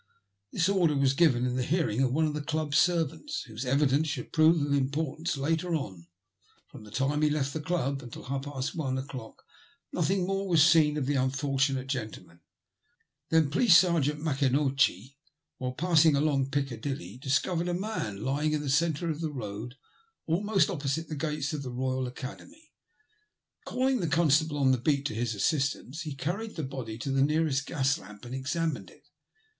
This order was given in the hearing of one of the Club servants, whose evidence should prove of importance later on. From the time he left the Club until half past one o*clock nothing more was seen of the unfortunate gentleman. Then Police Sergeant Macoinochie, while passing along Piccadilly, discovered a man lying in the 88 THE LUST OF HATE. centre of the road almost opposite the gates of the Boyal Academy. GaUing the constable on the beat to his assistance, he carried the body to the nearest gas lamp and examined it.